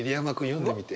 読んでみて。